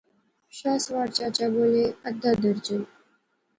شاہ سوار چچا بولے، ادھا درجن